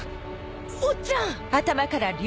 おっちゃん！